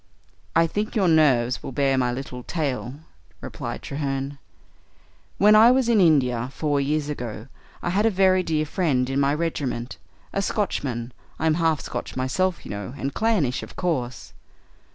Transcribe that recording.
"I think your nerves will bear my little tale," replied Treherne. "When I was in India, four years ago, I had a very dear friend in my regiment a Scotchman; I'm half Scotch myself, you know, and clannish, of course.